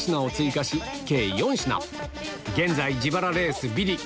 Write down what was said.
現在自腹レースビリ